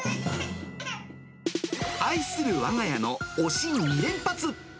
愛するわが家の推し２連発！